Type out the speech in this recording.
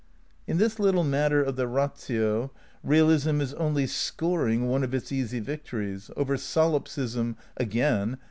In this little matter of the ratio, realism is only scor ing one of its easy victories — over solipsism (again!)